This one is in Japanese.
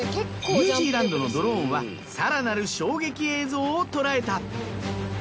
ニュージーランドのドローンは更なる衝撃映像を捉えた。